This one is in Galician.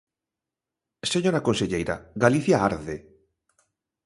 Señora conselleira, Galicia arde.